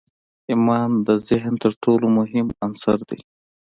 ایمان د ذهن تر ټولو مهم عنصر دی